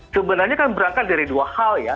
sebenarnya kan berangkat dari dua hal ya